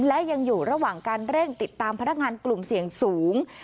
และยังอยู่ระหว่างการเร่งติดตามพนักงานกลุ่มเสี่ยงสูง